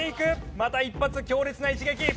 また一発強烈な一撃。